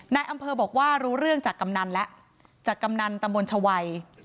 นายอำเภอบอกว่ารู้เรื่องจากกำนันแล้วจากกำนันตำบลชวัย